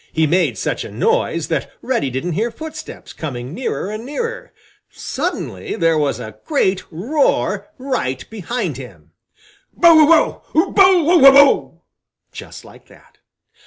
He made such a noise that Reddy didn't hear footsteps coming nearer and nearer. Suddenly there was a great roar right behind him. "Bow, wow, wow! Bow, wow, wow, wow!" just like that.